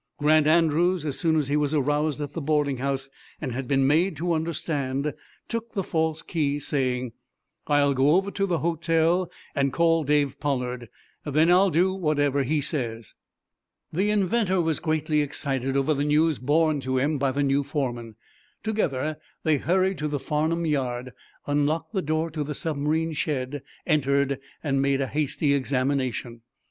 Grant Andrews, as soon as he was aroused at the boarding house, and had been made to understand, took the false key, saying: "I'll go over to the hotel and call Dave Pollard. Then I'll do whatever he says." The inventor was greatly excited over the news borne to him by the new foreman. Together they hurried to the Farnum yard, unlocked the door to the submarine's shed, entered and made a hasty examination.